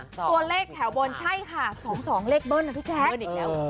ส่วนเลขแถวบนใช่ค่ะ๒๒เลขเบิ้นอ่ะพี่แจ๊ค